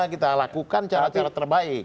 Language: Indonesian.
kita lakukan cara cara terbaik